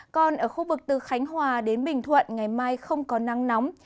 còn ở khu vực từ khánh hòa đến bình thuận ngày mai không có nắng nóng